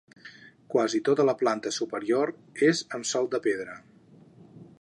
Quasi tota la planta superior és amb sòl de pedra.